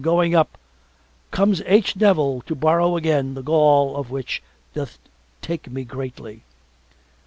going up comes H. Nevil to borrow again the gall of which doth take me greatly.